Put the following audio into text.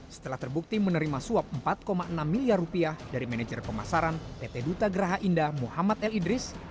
setelah terbukti menerima suap empat enam miliar rupiah dari manajer pemasaran pt duta geraha indah muhammad l idris